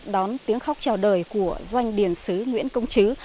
đón tiếng khóc trèo đời của doanh điển sứ nguyễn công chứ